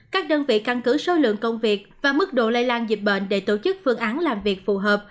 các đơn vị căn cứ số lượng công việc và mức độ lây lan dịch bệnh để tổ chức phương án làm việc phù hợp